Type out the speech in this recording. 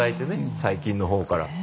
細菌のほうから。